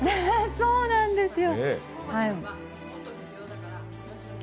そうなんですよ。